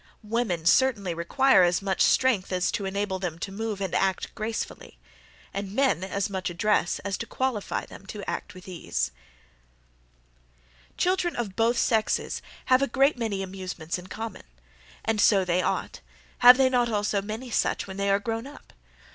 Women certainly require as much strength as to enable them to move and act gracefully, and men as much address as to qualify them to act with ease." "Children of both sexes have a great many amusements in common; and so they ought; have they not also many such when they are grown up?